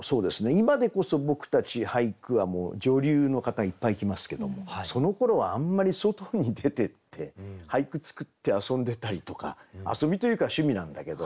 今でこそ僕たち俳句はもう女流の方いっぱい来ますけどもそのころはあんまり外に出てって俳句作って遊んでたりとか遊びというか趣味なんだけど。